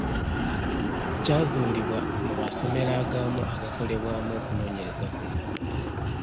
Kyazuulibwa mu masomero agamu agakolebwamu okunoonyereza kuno.